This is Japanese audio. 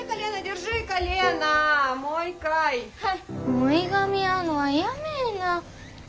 もういがみ合うのはやめえな。